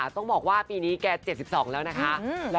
ต้องบอกว่าปีนี้แก๗๒แล้วนะคะ